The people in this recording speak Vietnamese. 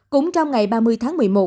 cũng trong ngày ba mươi tháng một mươi một